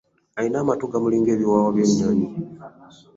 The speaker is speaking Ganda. Alina amatu gamulinga ebiwoowa by'enyonyi.